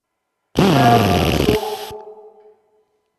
Claro que sou!